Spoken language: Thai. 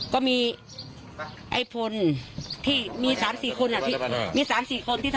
ก็มีไอ้พลที่มีสามสี่คนอ่ะที่